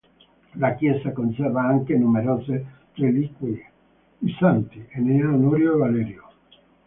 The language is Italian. La chiesa conserva anche numerose reliquie di santi: Enea, Onorio e Valerio.